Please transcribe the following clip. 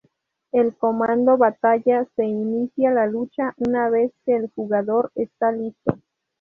El comando "Batalla" se inicia la lucha una vez que el jugador está listo.